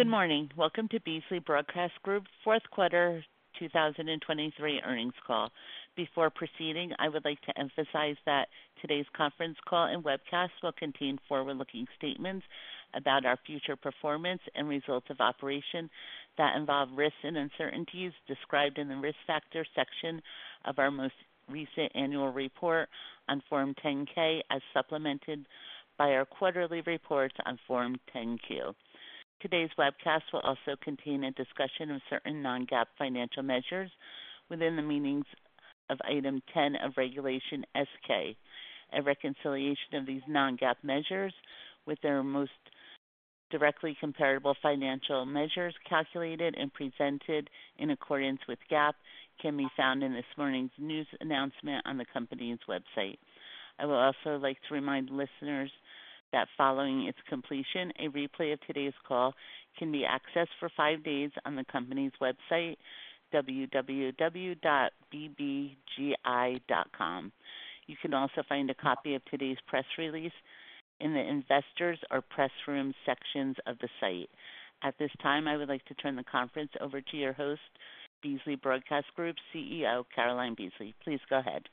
Good morning. Welcome to Beasley Broadcast Group, Fourth Quarter 2023 earnings call. Before proceeding, I would like to emphasize that today's conference call and webcast will contain forward-looking statements about our future performance and results of operations that involve risks and uncertainties described in the risk factor section of our most recent annual report on Form 10-K, as supplemented by our quarterly reports on Form 10-Q. Today's webcast will also contain a discussion of certain non-GAAP financial measures within the meanings of Item 10 of Regulation S-K. A reconciliation of these non-GAAP measures with their most directly comparable financial measures calculated and presented in accordance with GAAP can be found in this morning's news announcement on the company's website. I would also like to remind listeners that following its completion, a replay of today's call can be accessed for five days on the company's website, www.bbgi.com. You can also find a copy of today's press release in the Investors or Press Room sections of the site. At this time, I would like to turn the conference over to your host, Beasley Broadcast Group CEO Caroline Beasley. Please go ahead.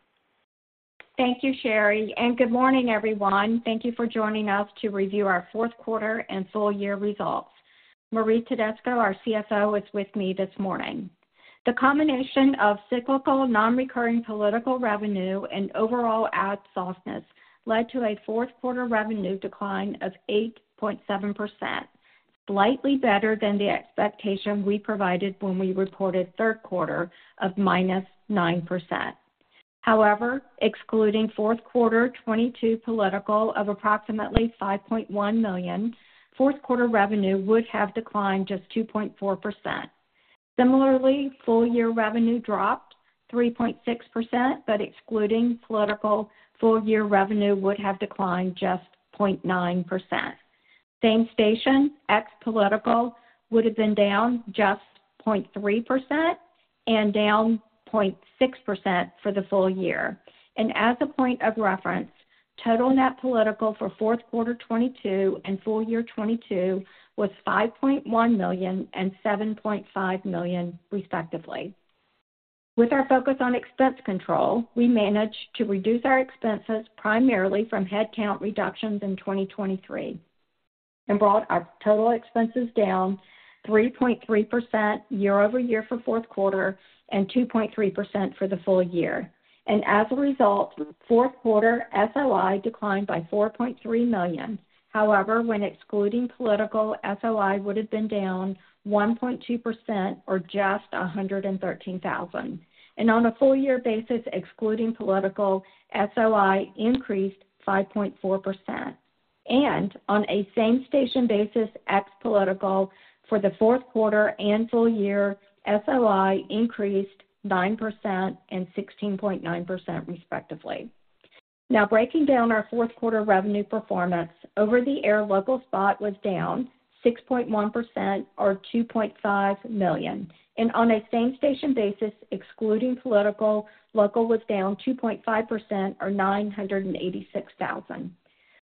Thank you, Sherri, and good morning, everyone. Thank you for joining us to review our fourth quarter and full-year results. Marie Tedesco, our CFO, is with me this morning. The combination of cyclical non-recurring political revenue and overall ad softness led to a fourth quarter revenue decline of 8.7%, slightly better than the expectation we provided when we reported third quarter of -9%. However, excluding fourth quarter 2022 political of approximately $5.1 million, fourth quarter revenue would have declined just 2.4%. Similarly, full-year revenue dropped 3.6%, but excluding political, full-year revenue would have declined just 0.9%. Same station, ex-political, would have been down just 0.3% and down 0.6% for the full year. As a point of reference, total net political for fourth quarter 2022 and full-year 2022 was $5.1 million and $7.5 million, respectively. With our focus on expense control, we managed to reduce our expenses primarily from headcount reductions in 2023 and brought our total expenses down 3.3% year-over-year for fourth quarter and 2.3% for the full year. As a result, fourth quarter SOI declined by $4.3 million. However, when excluding political, SOI would have been down 1.2% or just $113,000. On a full-year basis, excluding political, SOI increased 5.4%. On a same-station basis, ex-political, for the fourth quarter and full year, SOI increased 9% and 16.9%, respectively. Now, breaking down our fourth quarter revenue performance, over-the-air local spot was down 6.1% or $2.5 million. On a same-station basis, excluding political, local was down 2.5% or $986,000.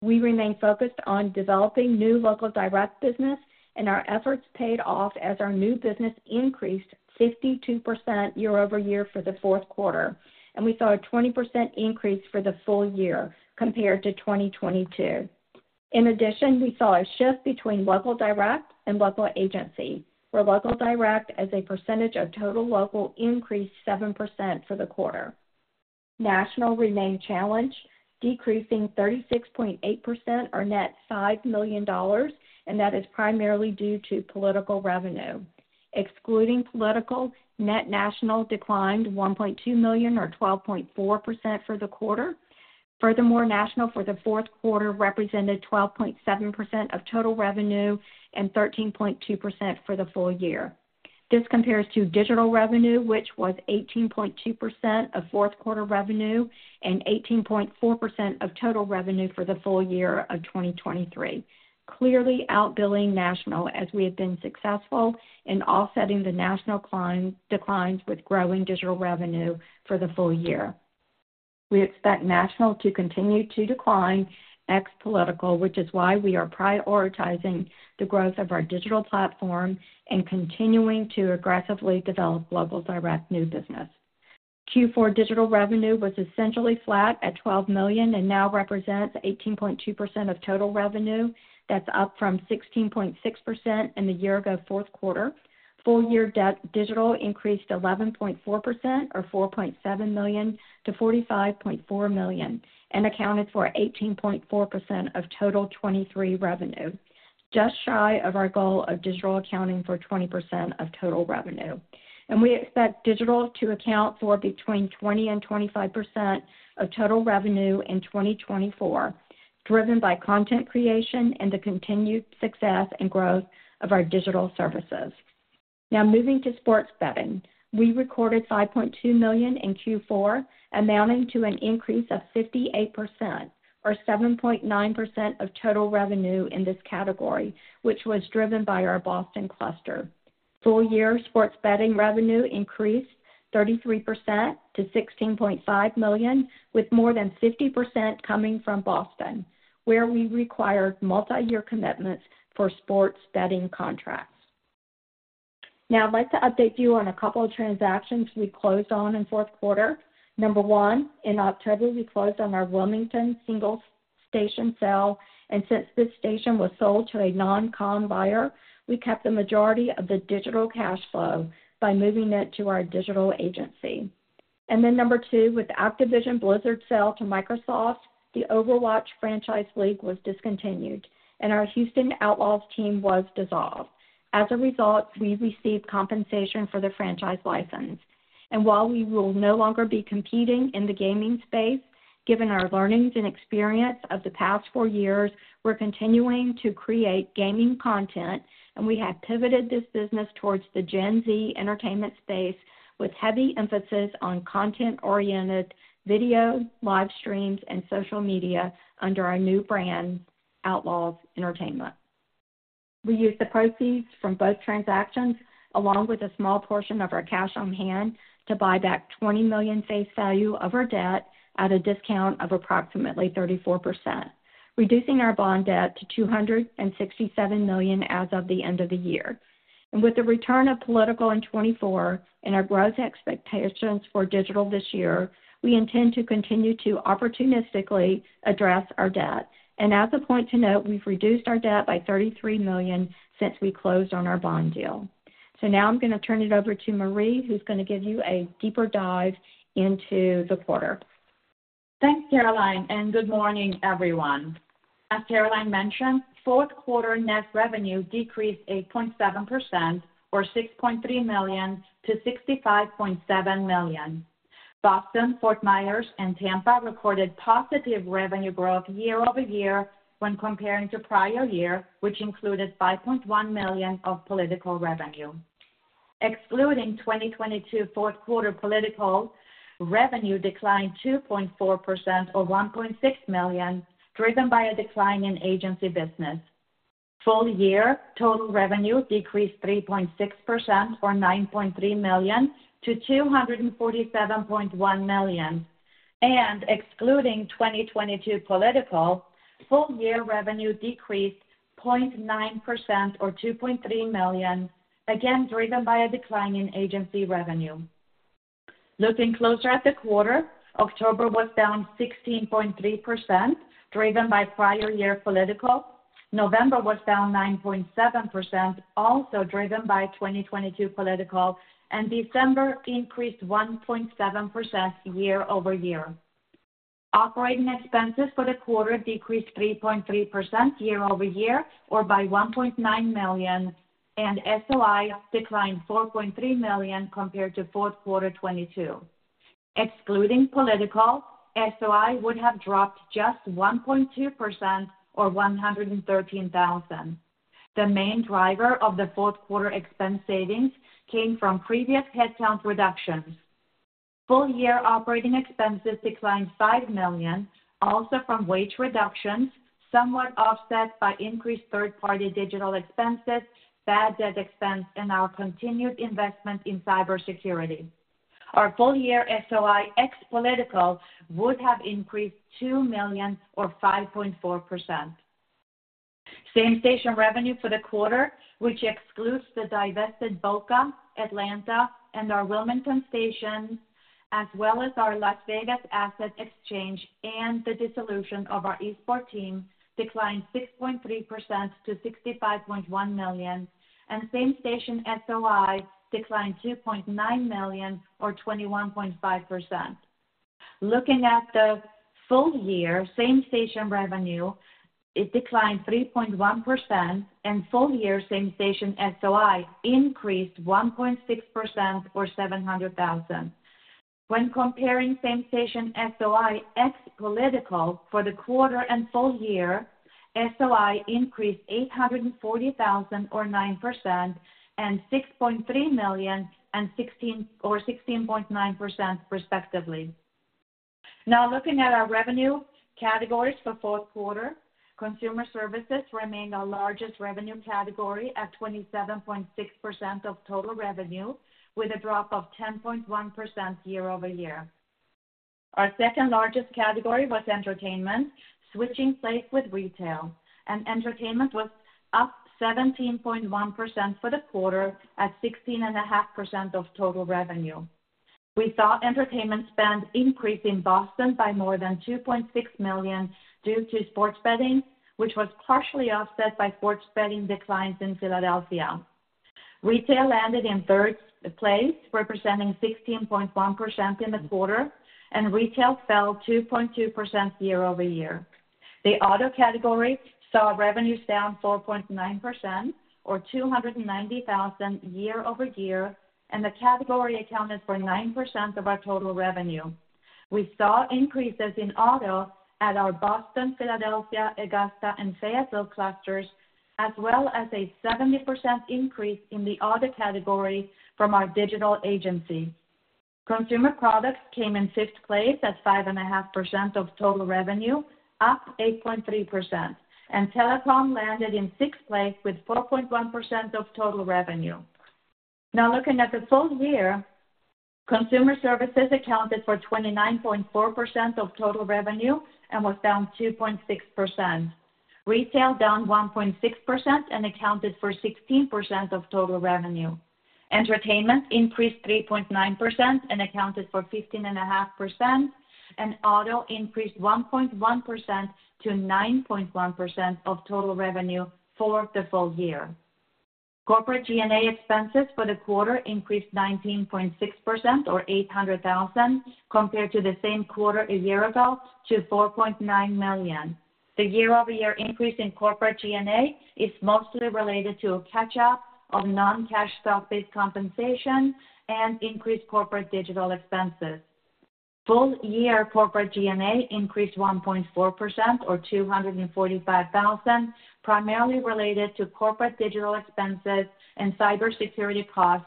We remained focused on developing new local direct business, and our efforts paid off as our new business increased 52% year over year for the fourth quarter, and we saw a 20% increase for the full year compared to 2022. In addition, we saw a shift between local direct and local agency, where local direct, as a percentage of total local, increased 7% for the quarter. National remained challenged, decreasing 36.8% or net $5 million, and that is primarily due to political revenue. Excluding political, net national declined $1.2 million or 12.4% for the quarter. Furthermore, national for the fourth quarter represented 12.7% of total revenue and 13.2% for the full year. This compares to digital revenue, which was 18.2% of fourth quarter revenue and 18.4% of total revenue for the full year of 2023, clearly outbilling national as we have been successful in offsetting the national declines with growing digital revenue for the full year. We expect national to continue to decline ex-political, which is why we are prioritizing the growth of our digital platform and continuing to aggressively develop local direct new business. Q4 digital revenue was essentially flat at $12 million and now represents 18.2% of total revenue. That's up from 16.6% in the year-ago fourth quarter. Full-year digital increased 11.4% or $4.7 million to $45.4 million and accounted for 18.4% of total 2023 revenue, just shy of our goal of digital accounting for 20% of total revenue. We expect digital to account for between 20%-25% of total revenue in 2024, driven by content creation and the continued success and growth of our digital services. Now, moving to sports betting, we recorded $5.2 million in Q4, amounting to an increase of 58% or 7.9% of total revenue in this category, which was driven by our Boston cluster. Full-year sports betting revenue increased 33% to $16.5 million, with more than 50% coming from Boston, where we required multi-year commitments for sports betting contracts. Now, I'd like to update you on a couple of transactions we closed on in fourth quarter. Number one, in October, we closed on our Wilmington single-station sale, and since this station was sold to a non-com buyer, we kept the majority of the digital cash flow by moving it to our digital agency. And then number two, with Activision Blizzard's sale to Microsoft, the Overwatch franchise league was discontinued, and our Houston Outlaws team was dissolved. As a result, we received compensation for the franchise license. While we will no longer be competing in the gaming space, given our learnings and experience of the past four years, we're continuing to create gaming content, and we have pivoted this business towards the Gen Z entertainment space with heavy emphasis on content-oriented video, live streams, and social media under our new brand, Outlaws Entertainment. We used the proceeds from both transactions, along with a small portion of our cash on hand, to buy back $20 million face value of our debt at a discount of approximately 34%, reducing our bond debt to $267 million as of the end of the year. With the return of political in 2024 and our growth expectations for digital this year, we intend to continue to opportunistically address our debt. As a point to note, we've reduced our debt by $33 million since we closed on our bond deal. Now I'm going to turn it over to Marie, who's going to give you a deeper dive into the quarter. Thanks, Caroline, and good morning, everyone. As Caroline mentioned, fourth quarter net revenue decreased 8.7% or $6.3 million to $65.7 million. Boston, Fort Myers, and Tampa recorded positive revenue growth year-over-year when comparing to prior year, which included $5.1 million of political revenue. Excluding 2022 fourth quarter political, revenue declined 2.4% or $1.6 million, driven by a decline in agency business. Full-year total revenue decreased 3.6% or $9.3 million to $247.1 million. Excluding 2022 political, full-year revenue decreased 0.9% or $2.3 million, again driven by a decline in agency revenue. Looking closer at the quarter, October was down 16.3%, driven by prior year political. November was down 9.7%, also driven by 2022 political, and December increased 1.7% year-over-year. Operating expenses for the quarter decreased 3.3% year-over-year or by $1.9 million, and SOI declined $4.3 million compared to fourth quarter 2022. Excluding political, SOI would have dropped just 1.2% or $113,000. The main driver of the fourth quarter expense savings came from previous headcount reductions. Full-year operating expenses declined $5 million, also from wage reductions, somewhat offset by increased third-party digital expenses, bad debt expense, and our continued investment in cybersecurity. Our full-year SOI ex-political would have increased $2 million or 5.4%. Same-station revenue for the quarter, which excludes the divested Boca, Atlanta, and our Wilmington station, as well as our Las Vegas asset exchange and the dissolution of our esports team, declined 6.3% to $65.1 million, and same-station SOI declined $2.9 million or 21.5%. Looking at the full-year same-station revenue, it declined 3.1%, and full-year same-station SOI increased 1.6% or $700,000. When comparing same-station SOI ex-political for the quarter and full-year, SOI increased $840,000 or 9% and $6.3 million or 16.9%, respectively. Now, looking at our revenue categories for fourth quarter, consumer services remained our largest revenue category at 27.6% of total revenue, with a drop of 10.1% year-over-year. Our second largest category was entertainment, switching place with retail, and entertainment was up 17.1% for the quarter at 16.5% of total revenue. We saw entertainment spend increase in Boston by more than $2.6 million due to sports betting, which was partially offset by sports betting declines in Philadelphia. Retail landed in third place, representing 16.1% in the quarter, and retail fell 2.2% year-over-year. The auto category saw revenues down 4.9% or $290,000 year-over-year, and the category accounted for 9% of our total revenue. We saw increases in auto at our Boston, Philadelphia, Augusta, and Fayetteville clusters, as well as a 70% increase in the auto category from our digital agency. Consumer products came in fifth place at 5.5% of total revenue, up 8.3%, and telecom landed in sixth place with 4.1% of total revenue. Now, looking at the full year, consumer services accounted for 29.4% of total revenue and was down 2.6%. Retail down 1.6% and accounted for 16% of total revenue. Entertainment increased 3.9% and accounted for 15.5%, and auto increased 1.1% to 9.1% of total revenue for the full year. Corporate G&A expenses for the quarter increased 19.6% or $800,000 compared to the same quarter a year ago to $4.9 million. The year-over-year increase in corporate G&A is mostly related to a catch-up of non-cash stock-based compensation and increased corporate digital expenses. Full-year corporate G&A increased 1.4% or $245,000, primarily related to corporate digital expenses and cybersecurity costs,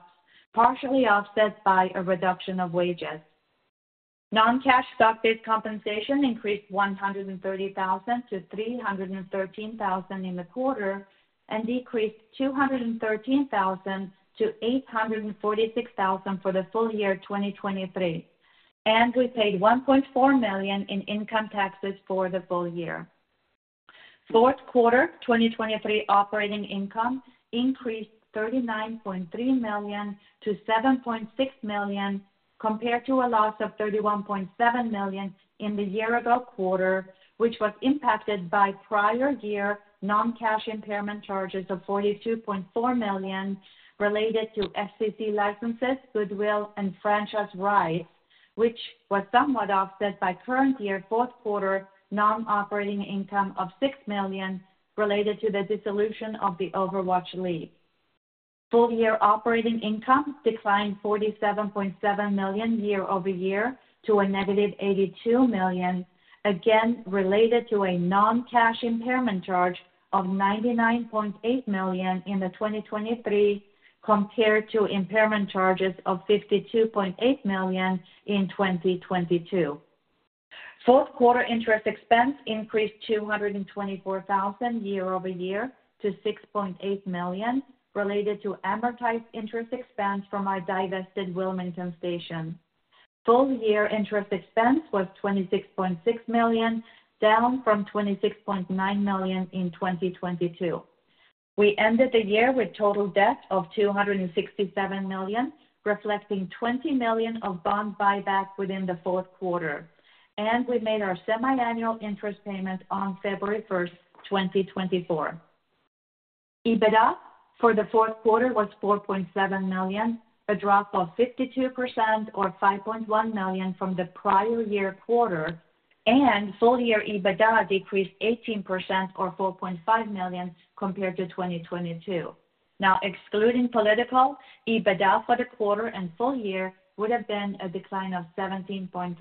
partially offset by a reduction of wages. Non-cash stock-based compensation increased $130,000 to $313,000 in the quarter and decreased $213,000 to $846,000 for the full year 2023, and we paid $1.4 million in income taxes for the full year. Fourth quarter 2023 operating income increased $39.3 million to $7.6 million compared to a loss of $31.7 million in the year-ago quarter, which was impacted by prior year non-cash impairment charges of $42.4 million related to FCC licenses, goodwill, and franchise rights, which was somewhat offset by current year fourth quarter non-operating income of $6 million related to the dissolution of the Overwatch League. Full-year operating income declined $47.7 million year-over-year to negative $82 million, again related to a non-cash impairment charge of $99.8 million in 2023 compared to impairment charges of $52.8 million in 2022. Fourth quarter interest expense increased $224,000 year-over-year to $6.8 million related to amortized interest expense from our divested Wilmington station. Full-year interest expense was $26.6 million, down from $26.9 million in 2022. We ended the year with total debt of $267 million, reflecting $20 million of bond buyback within the fourth quarter, and we made our semiannual interest payment on February 1st, 2024. EBITDA for the fourth quarter was $4.7 million, a drop of 52% or $5.1 million from the prior-year quarter, and full-year EBITDA decreased 18% or $4.5 million compared to 2022. Now, excluding political, EBITDA for the quarter and full year would have been a decline of 17.3%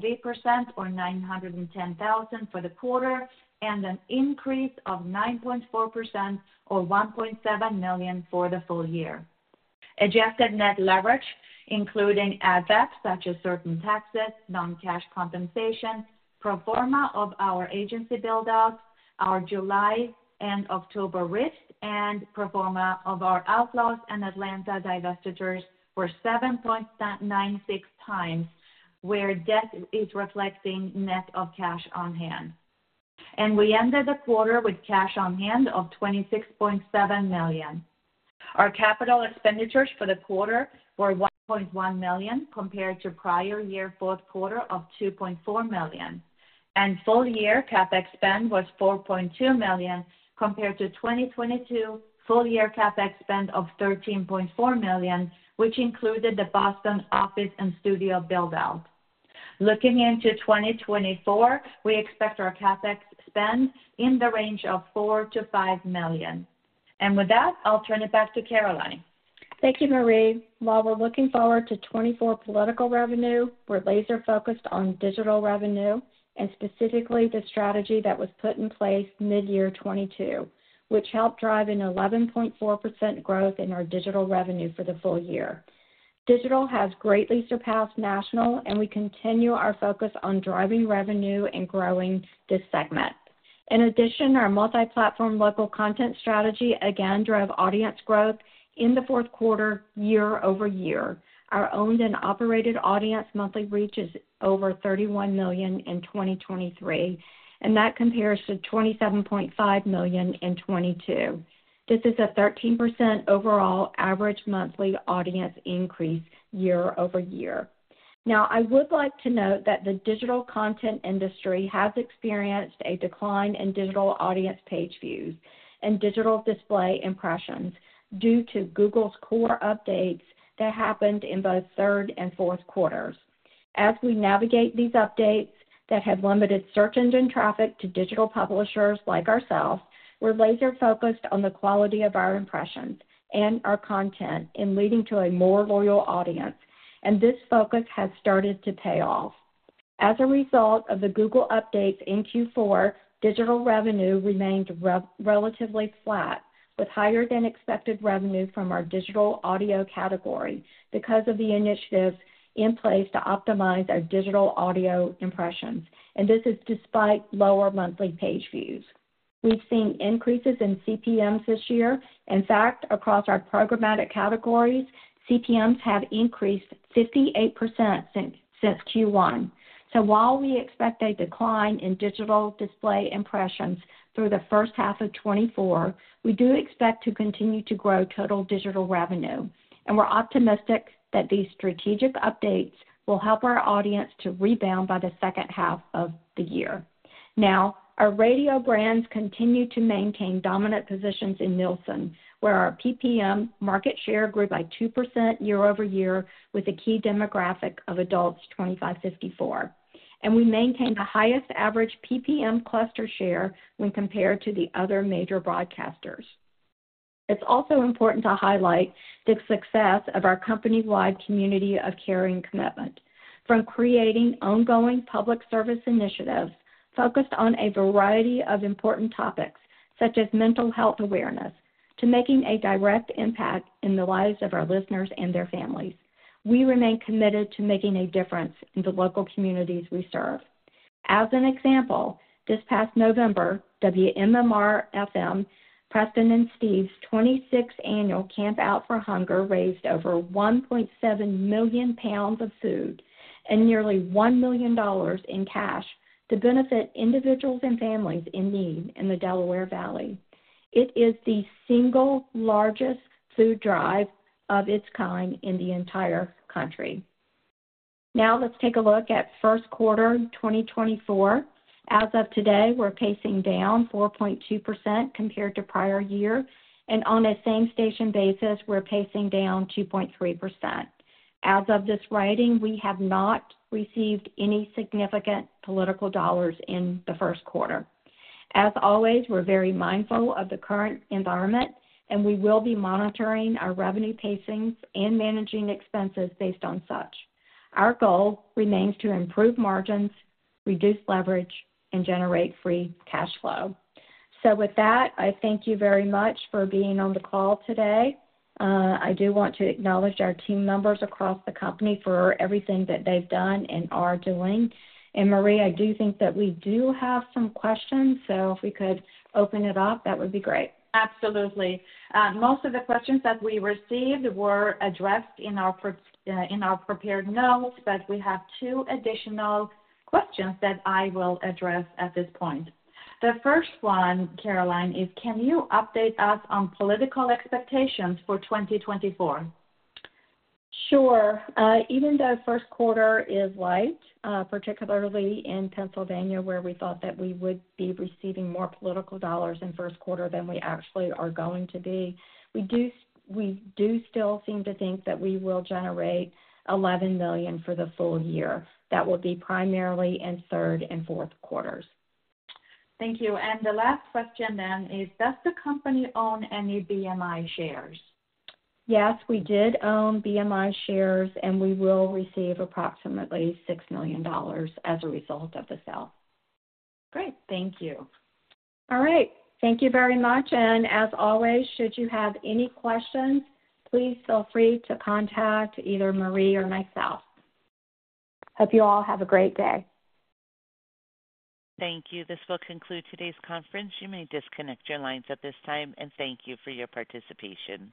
or $910,000 for the quarter and an increase of 9.4% or $1.7 million for the full year. Adjusted net leverage, including add-backs such as certain taxes, non-cash compensation, pro forma of our agency buildouts, our July and October acquisitions, and pro forma of our Outlaws and Atlanta divestitures were 7.96x, where debt is reflecting net of cash on hand. We ended the quarter with cash on hand of $26.7 million. Our capital expenditures for the quarter were $1.1 million compared to prior year fourth quarter of $2.4 million, and full-year capex spend was $4.2 million compared to 2022 full-year capex spend of $13.4 million, which included the Boston office and studio buildout. Looking into 2024, we expect our capex spend in the range of $4 million-$5 million. With that, I'll turn it back to Caroline. Thank you, Marie. While we're looking forward to 2024 political revenue, we're laser-focused on digital revenue and specifically the strategy that was put in place mid-year 2022, which helped drive an 11.4% growth in our digital revenue for the full year. Digital has greatly surpassed national, and we continue our focus on driving revenue and growing this segment. In addition, our multi-platform local content strategy again drove audience growth in the fourth quarter year-over-year. Our owned and operated audience monthly reach is over 31 million in 2023, and that compares to 27.5 million in 2022. This is a 13% overall average monthly audience increase year-over-year. Now, I would like to note that the digital content industry has experienced a decline in digital audience page views and digital display impressions due to Google's core updates that happened in both third and fourth quarters. As we navigate these updates that have limited search engine traffic to digital publishers like ourselves, we're laser-focused on the quality of our impressions and our content in leading to a more loyal audience, and this focus has started to pay off. As a result of the Google updates in Q4, digital revenue remained relatively flat, with higher-than-expected revenue from our digital audio category because of the initiatives in place to optimize our digital audio impressions, and this is despite lower monthly page views. We've seen increases in CPMs this year. In fact, across our programmatic categories, CPMs have increased 58% since Q1. So while we expect a decline in digital display impressions through the first half of 2024, we do expect to continue to grow total digital revenue, and we're optimistic that these strategic updates will help our audience to rebound by the second half of the year. Now, our radio brands continue to maintain dominant positions in Nielsen, where our PPM market share grew by 2% year over year with a key demographic of adults 25-54, and we maintain the highest average PPM cluster share when compared to the other major broadcasters. It's also important to highlight the success of our company-wide community of care and commitment. From creating ongoing public service initiatives focused on a variety of important topics such as mental health awareness to making a direct impact in the lives of our listeners and their families, we remain committed to making a difference in the local communities we serve. As an example, this past November, WMMR-FM Preston and Steve's 26th annual Camp Out for Hunger raised over $1.7 million of food and nearly $1 million in cash to benefit individuals and families in need in the Delaware Valley. It is the single largest food drive of its kind in the entire country. Now, let's take a look at first quarter 2024. As of today, we're pacing down 4.2% compared to prior year, and on a same-station basis, we're pacing down 2.3%. As of this writing, we have not received any significant political dollars in the first quarter. As always, we're very mindful of the current environment, and we will be monitoring our revenue pacings and managing expenses based on such. Our goal remains to improve margins, reduce leverage, and generate free cash flow. So with that, I thank you very much for being on the call today. I do want to acknowledge our team members across the company for everything that they've done and are doing. And Marie, I do think that we do have some questions, so if we could open it up, that would be great. Absolutely. Most of the questions that we received were addressed in our prepared notes, but we have two additional questions that I will address at this point. The first one, Caroline, is can you update us on political expectations for 2024? Sure. Even though first quarter is light, particularly in Pennsylvania where we thought that we would be receiving more political dollars in first quarter than we actually are going to be, we do still seem to think that we will generate $11 million for the full year. That will be primarily in third and fourth quarters. Thank you. The last question then is, does the company own any BMI shares? Yes, we did own BMI shares, and we will receive approximately $6 million as a result of the sale. Great. Thank you. All right. Thank you very much. And as always, should you have any questions, please feel free to contact either Marie or myself. Hope you all have a great day. Thank you. This will conclude today's conference. You may disconnect your lines at this time, and thank you for your participation.